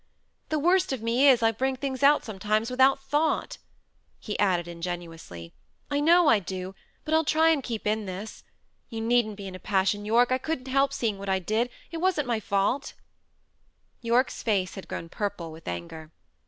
The worst of me is, I bring things out sometimes without thought," he added ingenuously. "I know I do; but I'll try and keep in this. You needn't be in a passion, Yorke; I couldn't help seeing what I did. It wasn't my fault." Yorke's face had grown purple with anger.